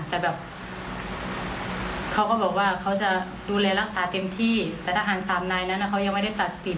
แต่แบบเขาก็บอกว่าเขาจะดูแลรักษาเต็มที่แต่ทหารสามนายนั้นเขายังไม่ได้ตัดสิน